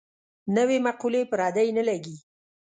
نوې مقولې پردۍ نه لګي.